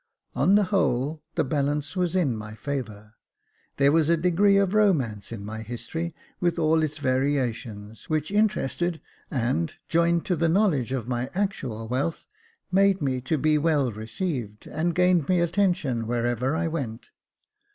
On the whole, the balance was in my favour; there was a degree of romance in my history, with all its variations, which interested, and, joined to the knowledge of my actual wealth, made me to be well received, and gained me attention wherever I went.